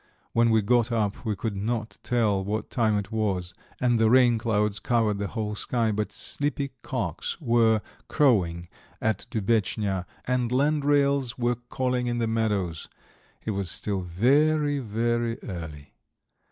When we got up we could not tell what time it was, as the rainclouds covered the whole sky; but sleepy cocks were crowing at Dubetchnya, and landrails were calling in the meadows; it was still very, very early.